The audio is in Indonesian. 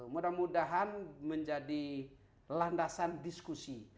mudah mudahan menjadi landasan diskusi